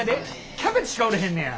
キャベツしか売れへんねや。